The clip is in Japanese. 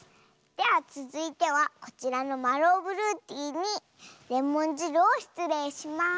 ではつづいてはこちらのマローブルーティーにレモンじるをしつれいします。